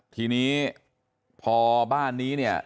ทีนี้พอบ้านนี้เนี่ย